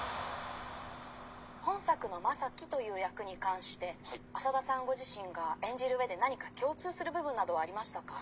「本作のマサキという役に関して浅田さんご自身が演じる上で何か共通する部分などはありましたか？」。